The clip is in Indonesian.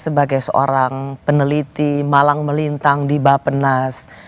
sebagai seorang peneliti malang melintang di bapenas